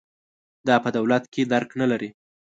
دا په دولت کې درک نه لري.